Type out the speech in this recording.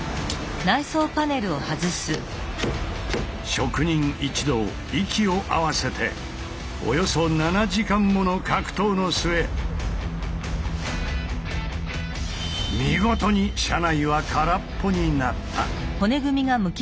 職人一同息を合わせておよそ７時間もの格闘の末見事に車内は空っぽになった！